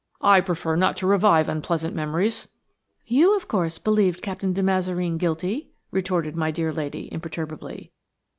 "I prefer not to revive unpleasant memories.'' "You, of course, believed Captain de Mazareen guilty?" retorted my dear lady, imperturbably.